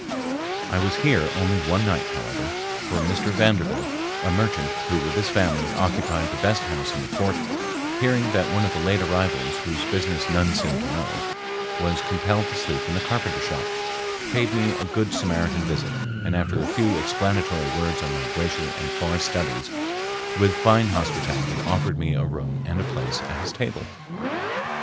I was here only one night, however, for Mr. Vanderbilt, a merchant, who with his family occupied the best house in the fort, hearing that one of the late arrivals, whose business none seemed to know, was compelled to sleep in the carpenter shop, paid me a good Samaritan visit and after a few explanatory words on my glacier and forest studies, with fine hospitality offered me a room and a place at his table.